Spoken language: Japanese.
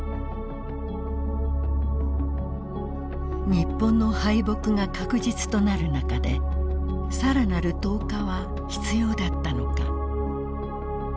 日本の敗北が確実となる中で更なる投下は必要だったのか。